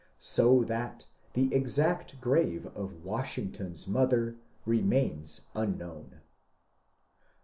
So that the exact grave of Washington's mother remains unknown.